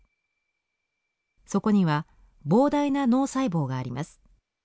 そこには膨大な脳細胞があります。